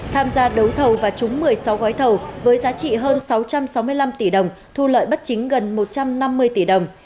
tham gia đấu thầu và trúng một mươi sáu gói thầu với giá trị hơn sáu trăm sáu mươi năm tỷ đồng thu lợi bất chính gần một trăm năm mươi tỷ đồng